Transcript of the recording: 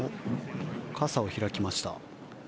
傘を開きました。